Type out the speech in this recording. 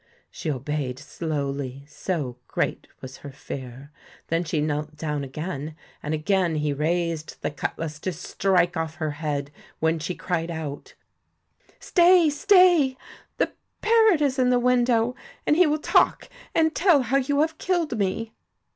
She obeyed slowly, so great was her fear. Then she knelt down again, and again he raised the cutlass to strike off her head, when she cried out :' Stay ! stay ! the parrot is in the window, and he will talk and tell how you have killed me.'